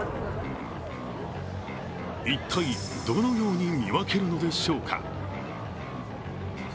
一体、どのように見分けるのでしょうか。